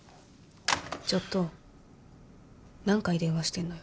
ちょっと何回電話してんのよ。